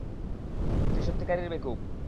তুই সত্যিকারেই বেকুব।